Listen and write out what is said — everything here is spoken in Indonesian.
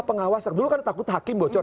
pengawas dulu kan takut hakim bocor